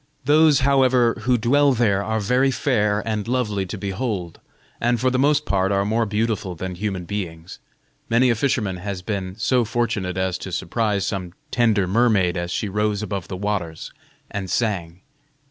Those, however, who dwell there are very fair and lovely to behold, and for the most part are more beautiful than human beings. Many a fisherman has been so fortunate as to surprise some tender mermaid as she rose above the waters and sang.